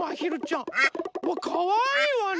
うわかわいいわね。